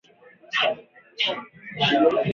Ba soso abatoke tena